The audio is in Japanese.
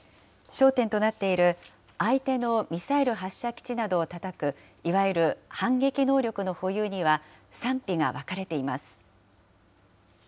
焦点となっている、相手のミサイル発射基地などをたたくいわゆる反撃能力の保有には賛否が分かれています。